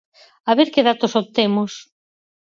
A ver que datos obtemos.